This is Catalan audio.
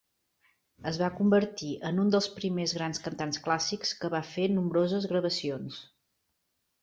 Es va convertir en un dels primers grans cantants clàssics que va fer nombroses gravacions.